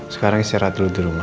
sekarang istirahat dulu di rumah